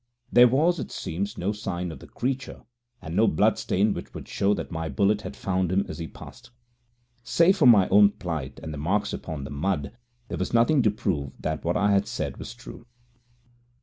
There was, it seems, no sign of the creature, and no bloodstain which would show that my bullet had found him as he passed. Save for my own plight and the marks upon the mud, there was nothing to prove that what I said was true.